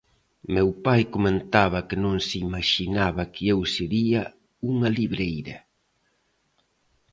Meu pai comentaba que non se imaxinaba que eu sería unha libreira.